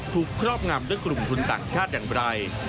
ครอบงำด้วยกลุ่มทุนต่างชาติอย่างไร